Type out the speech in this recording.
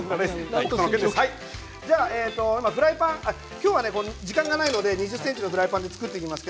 今日は時間がないので２０ｃｍのフライパンで作ります。